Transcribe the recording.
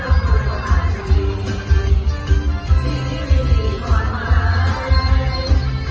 อาจจะมีที่ที่มีดีกว่าใหม่